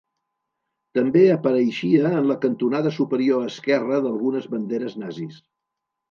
També apareixia en la cantonada superior esquerra d'algunes banderes nazis.